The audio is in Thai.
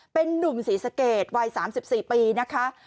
เป็นนุ่มศรีสะเกดวัย๓๔ปีนะคะ